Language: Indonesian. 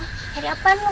nyari apaan lu